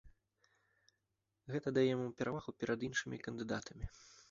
Гэта дае яму перавагу перад іншымі кандыдатамі.